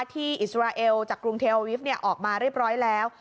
อิสราเอลจากกรุงเทลวิฟต์ออกมาเรียบร้อยแล้ว